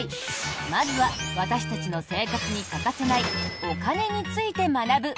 まずは私たちの生活に欠かせないお金について学ぶ